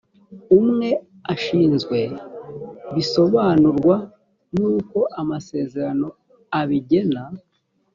umwe ashinzwe bisobanurwa nk uko amasezerano ibigena